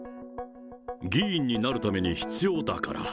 議員になるために必要だから。